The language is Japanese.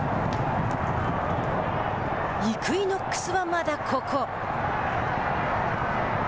イクイノックスはまだここ。